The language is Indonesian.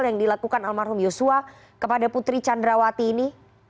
yang dilakukan almarhum yosua kepada putri candrawati ini